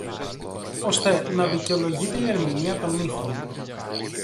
ώστε να δικαιολογείται η ερμηνεία των μύθων